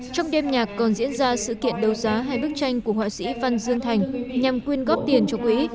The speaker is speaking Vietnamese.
trong đêm nhạc còn diễn ra sự kiện đầu giá hai bức tranh của họa sĩ văn dương thành nhằm quyên góp tiền cho quỹ